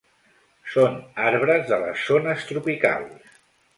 Són arbres de les zones tropicals.